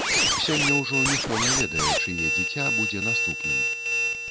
Сёння ўжо ніхто не ведае, чые дзіця будзе наступным.